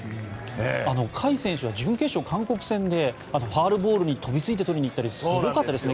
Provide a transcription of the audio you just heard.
甲斐選手は準決勝の韓国戦でファウルボールに飛びついてとりにいったりすごかったですね。